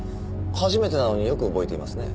初めてなのによく覚えていますね。